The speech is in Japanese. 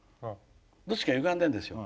どっちかゆがんでるんですよ。